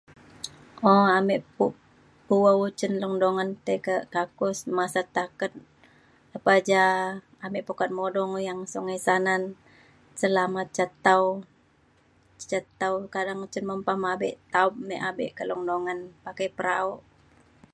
o ame bu’au cin Long Dungan tei ka kakus masat taket lepa ja ame pukat mudung yang sungai sanan selamat ca tau ca tau karang cen mempam abik taup me abe ka Long Dungan pakai perahu